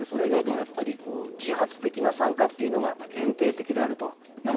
それ以外でも、やっぱり自発的な参加というのが限定的であると。